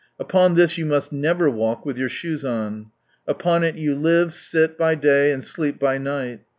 Upon this you must never walk with your shoes on. Upon it you live, sit, by day, and sleep by night.